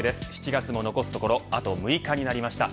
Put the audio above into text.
７月も残すところあと６日になりました。